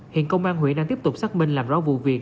hiện công an huyện đang tiếp tục xác minh làm rõ vụ việc